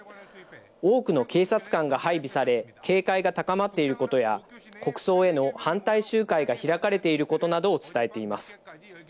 多くの警察官が配備され、警戒が高まっていることや、国葬への反対集会が開かれていることなどを伝えています。